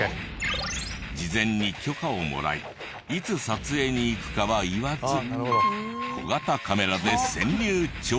事前に許可をもらいいつ撮影に行くかは言わず小型カメラで潜入調査。